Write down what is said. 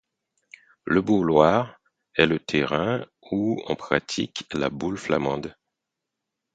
Le bourloire est le terrain où on pratique la boule flamande.